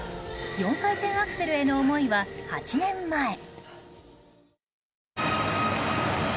４回転アクセルへの思いは８年前。